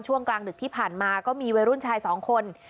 กลางดึกที่ผ่านมาก็มีวัยรุ่นชายสองคน